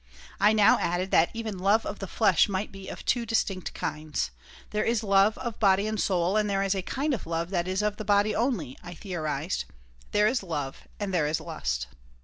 I now added that even love of the flesh might be of two distinct kinds: "There is love of body and soul, and there is a kind of love that is of the body only," I theorized. "There is love and there is lust."